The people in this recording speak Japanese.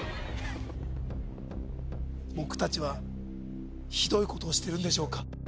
僕達はひどいことをしてるんでしょうか